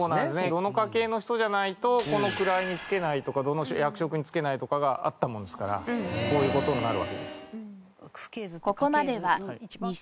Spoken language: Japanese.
どの家系の人じゃないとこの位に就けないとかどの役職に就けないとかがあったものですからこういう事になるわけです。